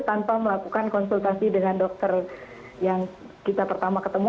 tanpa melakukan konsultasi dengan dokter yang kita pertama ketemu